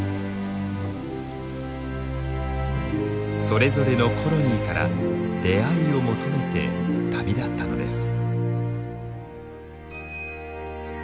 それぞれのコロニーから出会いを求めて旅立ったのです。